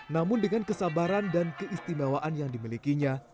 namun dengan kesabaran dan keistimewaan yang dimilikinya